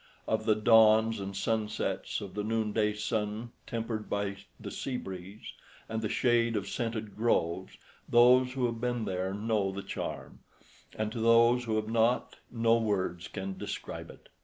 Of the dawns and sunsets, of the noonday sun tempered by the sea breeze and the shade of scented groves, those who have been there know the charm, and to those who have not no words can describe it.